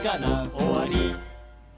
「おわり」